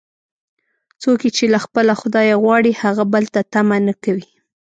څوک یې چې له خپله خدایه غواړي، هغه بل ته طمعه نه کوي.